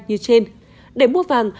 như trên để mua vàng